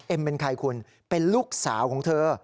เป็นใครคุณเป็นลูกสาวของเธอ